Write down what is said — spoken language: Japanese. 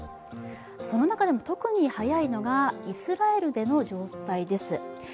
その中でも特に早いのがイスラエルでの状態です。